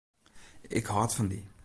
Ik hâld fan dy.